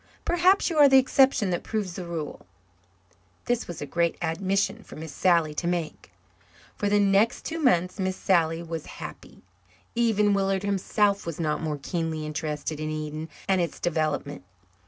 Perhaps you are the exception that proves the rule." This was a great admission for Miss Sally to make. For the next two months Miss Sally was happy. Even Willard himself was not more keenly interested in Eden and its development.